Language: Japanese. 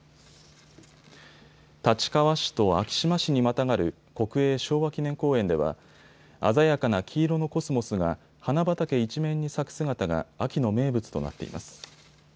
立川市と昭島市にまたがる国営昭和記念公園では鮮やかな黄色のコスモスが花畑一面に咲く姿が秋の名物となっています。